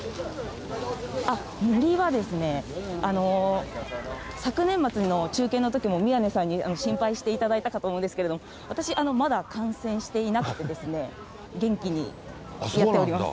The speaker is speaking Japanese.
森はですね、昨年末の中継のときも宮根さんに心配していただいたかと思うんですけれども、私、まだ感染していなくてですね、元気にやっております。